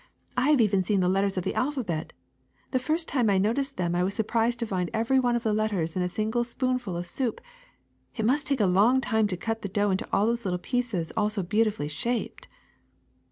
I have even seen the letters of the alphabet; the first time I noticed them I was surprised to find every one of the letters in a single spoonful of soup. It must take a long time to cut the dough into all those little pieces, all so beautifully shaped."